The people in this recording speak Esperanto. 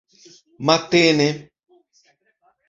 matene